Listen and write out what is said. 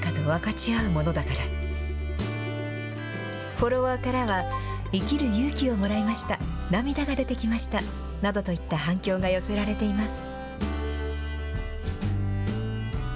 フォロワーからは、生きる勇気をもらいました、涙が出てきましたなどといった反響が寄せられています。